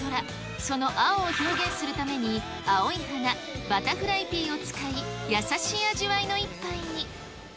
その青を表現するために、青い花、バタフライピーを使い、優しい味わいの一杯に。